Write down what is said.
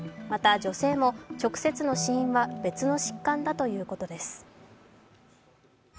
また、女性も直接の死因は別の疾患だということです。